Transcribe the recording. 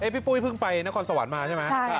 ปุ้ยเพิ่งไปนครสวรรค์มาใช่ไหม